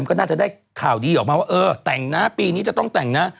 ก็น่าจะได้ข่าวดีออกมาว่าเออแต่งนะปีนี้จะต้องแต่งนะ